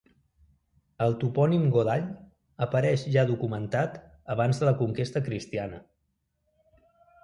El topònim Godall apareix ja documentat abans de la conquesta cristiana.